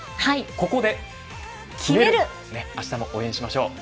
ココで、決めるあしたも応援しましょう。